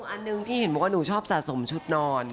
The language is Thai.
อันหนึ่งที่เห็นบอกว่าหนูชอบสะสมชุดนอน